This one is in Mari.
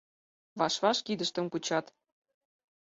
Ваш-ваш кидыштым кучат.